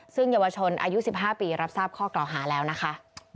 ซึ่งเยาวชนอายุ๑๕ปีรับทราบข้อกล่าวหาแล้วนะคะ